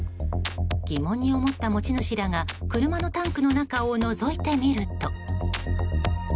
疑問に思った持ち主らが車のタンクの中をのぞいてみると。